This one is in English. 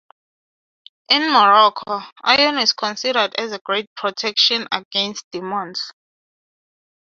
In Morocco, iron is considered a great protection against demons.